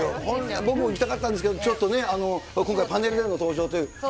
僕も行きたかったんですけどちょっとね、今回、パネルでの登場という。